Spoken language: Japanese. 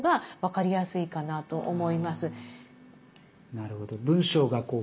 なるほど。